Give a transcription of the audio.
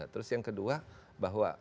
terus yang kedua bahwa